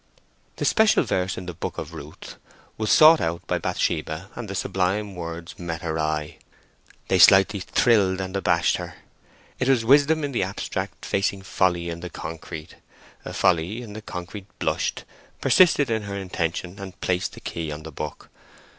The special verse in the Book of Ruth was sought out by Bathsheba, and the sublime words met her eye. They slightly thrilled and abashed her. It was Wisdom in the abstract facing Folly in the concrete. Folly in the concrete blushed, persisted in her intention, and placed the key on the book.